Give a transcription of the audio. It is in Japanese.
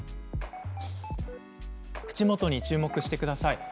口元に注目してください。